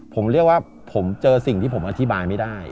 ผมเรียกว่าผมเจอสิ่งที่ผมอธิบายไม่ได้